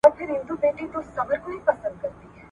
ښکاري ولیده په تور کي زرکه بنده `